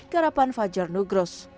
garapan fajar nugroos